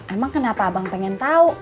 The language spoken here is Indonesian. emang kenapa abang pengen tahu